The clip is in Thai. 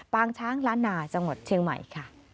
งช้างล้านนาจังหวัดเชียงใหม่ค่ะ